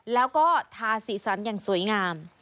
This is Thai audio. แล้วก็ทาสีสันอย่างสวยงาม